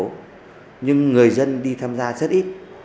tổ dân đi tham gia rất ít